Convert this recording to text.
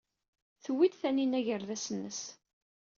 Tewwi-d Taninna agerdas-nnes.